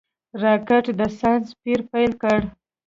راکټ د ساینس پېر پيل کړ